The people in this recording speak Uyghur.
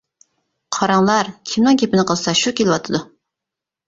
قاراڭلا، كىمنىڭ گېپىنى قىلسا شۇ كېلىۋاتىدۇ.